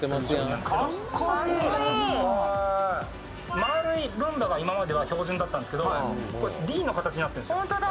丸いルンバが今までは標準だったんですけど「Ｄ」の形になってるんですよ。